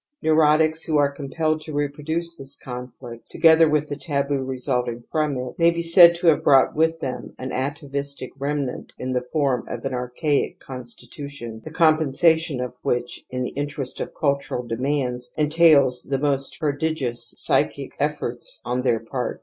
Neurotics who are compelled to reproduce this conflict, together with the taboo resulting from it, may be said to have brought with them an atavistic remnant in the form of an archaic constitution the com pensation of which in the interest of cultural demands entails the most prodigious psychic efforts on their part.